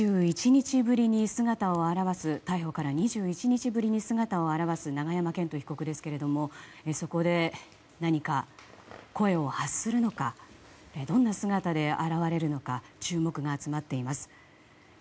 逮捕から２１日ぶりに姿を現す永山絢斗被告ですがそこで何か声を発するのかどんな姿で現れるのか注目が集まっています。